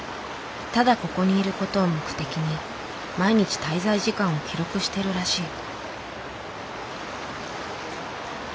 ただここにいる事を目的に毎日滞在時間を記録しているらしい。